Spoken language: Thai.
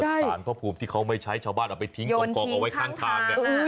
สารพระภูมิที่เขาไม่ใช้ชาวบ้านเอาไปทิ้งกองเอาไว้ข้างทางเนี่ย